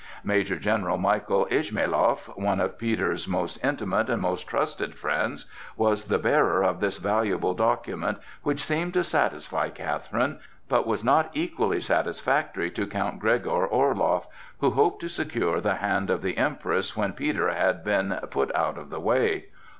Major General Michael Ismailoff, one of Peter's most intimate and most trusted friends, was the bearer of this valuable document, which seemed to satisfy Catherine, but was not equally satisfactory to Count Gregor Orloff, who hoped to secure the hand of the Empress when Peter had been put out of the way.